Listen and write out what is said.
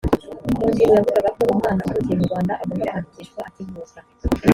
mu ngingo yavugaga ko umwana uvukiye mu rwanda agomba kwandikishwa akivuka